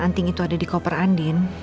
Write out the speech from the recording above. anting itu ada di koper andin